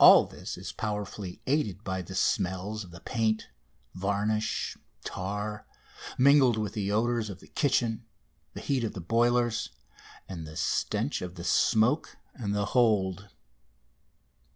All this is powerfully aided by the smells of the paint, varnish, tar, mingled with the odours of the kitchen, the heat of the boilers, and the stench of the smoke and the hold.